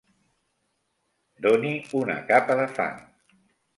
Doni una capa de fang.